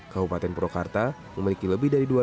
kabupaten purwakarta memiliki lebih dari